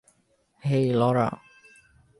হেই, Laura.